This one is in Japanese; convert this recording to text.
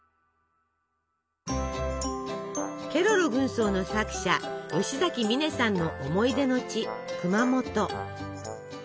ケロロ軍曹の作者吉崎観音さんの思い出の地熊本。